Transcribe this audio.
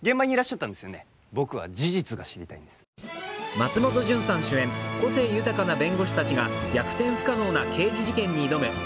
松本潤さん主演、個性豊かな弁護士たちが逆転不可能な刑事事件に挑む